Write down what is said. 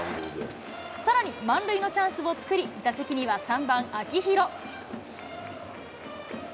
さらに満塁のチャンスを作り、打席には３番秋広。